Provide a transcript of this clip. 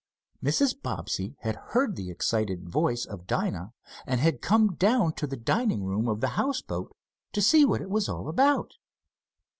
Mrs. Bobbsey had heard the excited voice of Dinah and had come down to the dining room of the houseboat to see what it was all about.